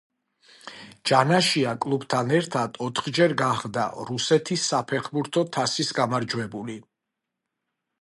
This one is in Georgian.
ჯანაშია კლუბთან ერთად ოთხჯერ გახდა რუსეთის საფეხბურთო თასის გამარჯვებული.